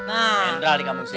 jendral dikampung sini